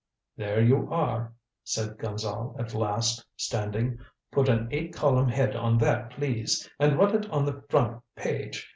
"There you are," said Gonzale at last, standing. "Put an eight column head on that, please, and run it on the front page.